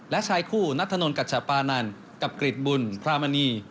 และชายคู่นัทธนนทัชปานันกับกริจบุญพรามณี